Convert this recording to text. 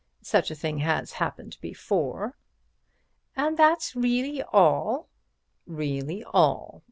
Such a thing has happened before." "And that's really all?" "Really all.